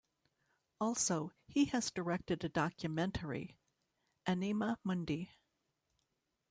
Also, he has directed a documentary "Anima Mundi".